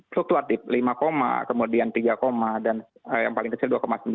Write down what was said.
fluktuatif lima kemudian tiga dan yang paling kecil dua sembilan